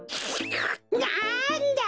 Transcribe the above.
なんだ！